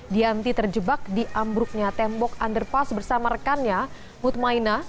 dianti terjebak di ambruknya tembok underpass bersama rekannya hutmaina